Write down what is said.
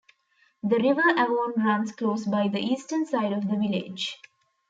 The River Avon runs close by the eastern side of the village.